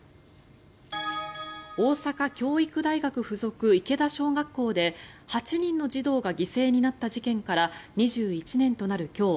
大阪教育大学付属池田小学校で８人の児童が犠牲になった事件から２１年となる今日